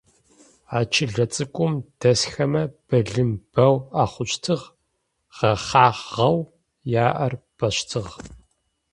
А чылэ цӏыкӏум дэсхэмэ былым бэу ахъущтыгъ, гъэхъагъэу яӏэр бэщтыгъ.